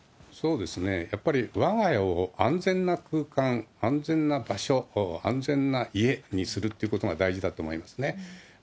やっぱりわが家を安全な空間、安全な場所、安全な家にするということが大事だと思いますね。